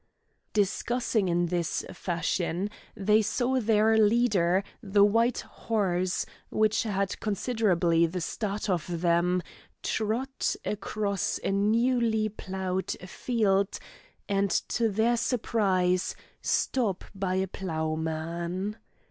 Discussing in this fashion they saw their leader, the white horse, which had considerably the start of them, trot across a newly ploughed field, and, to their surprise, stop by a ploughman.